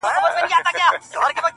• خو بلوړ که مات سي ډیري یې ټوټې وي ,